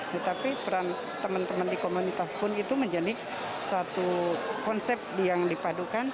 tetapi peran teman teman di komunitas pun itu menjadi satu konsep yang dipadukan